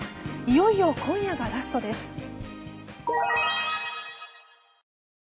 いよいよ今夜がラストです。